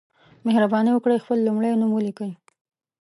مهرباني وکړئ خپل لمړی نوم ولیکئ